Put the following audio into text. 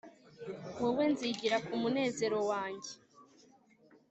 wowe nzigira kumunezero wanjye